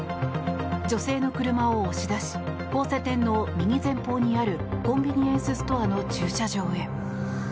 女性の車を押し出し交差点の右前方にあるコンビニエンスストアの駐車場へ。